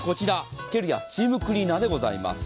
ケルヒャースチームクリーナーでございます。